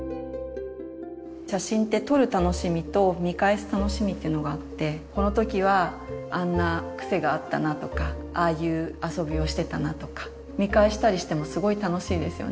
写真って撮る楽しみと見返す楽しみっていうのがあってこの時はあんな癖があったなとかああいう遊びをしてたなとか見返したりしてもすごい楽しいですよね。